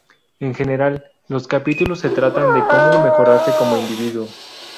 En general, los capítulos se tratan de cómo mejorarse como individuo.